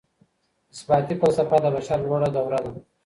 اثباتي فلسفه د بشر لوړه دوره ده.